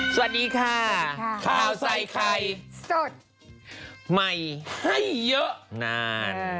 สวัสดีค่ะข้าวใส่ไข่สดใหม่ให้เยอะนาน